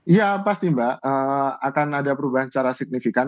iya pasti mbak akan ada perubahan secara signifikan